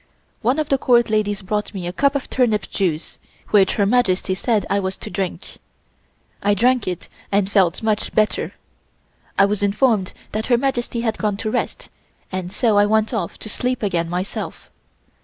One of the Court ladies brought me a cup of turnip juice which Her Majesty said I was to drink. I drank it and felt much better. I was informed that Her Majesty had gone to rest, and so I went off to sleep again myself.